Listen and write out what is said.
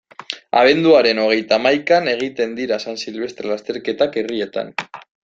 Abenduaren hogeita hamaikan egiten dira San Silvestre lasterketak herrietan.